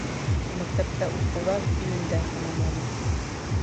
Мәктәптә уҡыуҙар июндә тамамлана